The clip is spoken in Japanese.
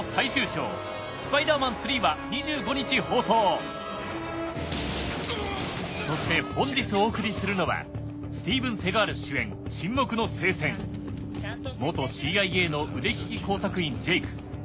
そして最終章そして本日お送りするのはスティーブン・セガール主演元ＣＩＡの腕利き工作員ジェイク。